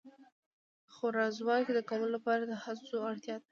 د خوارځواکۍ د کمولو لپاره د هڅو اړتیا ده.